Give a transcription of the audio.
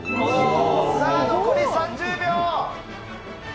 さあ残り３０秒。